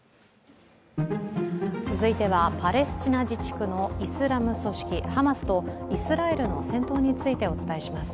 続いては、パレスチナ自治区のイスラム組織ハマスとイスラエルの戦闘についてお伝えします。